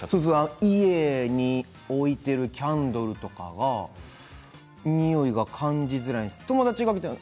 家に置いているキャンドルとかが匂いが感じづらいんです。